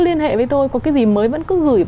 liên hệ với tôi có cái gì mới vẫn cứ gửi